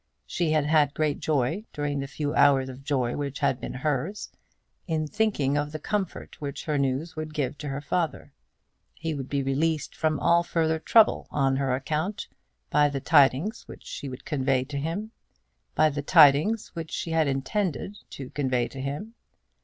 She had had great joy, during the few hours of joy which had been hers, in thinking of the comfort which her news would give to her father. He would be released from all further trouble on her account by the tidings which she would convey to him, by the tidings which she had intended to convey to him.